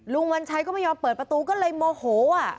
ลุงวันชัยก็ไม่ยอมเปิดประตูก็เลยโมโหอ่อ่ะ